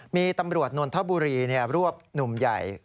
มีตำรวจนนทบุรีรวบหนุ่มใหญ่